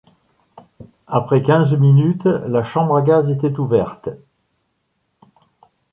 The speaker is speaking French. Après quinze minutes, la chambre à gaz était ouverte.